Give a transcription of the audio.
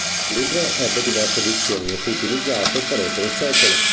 Il libro ebbe diverse edizioni e fu utilizzato per oltre un secolo.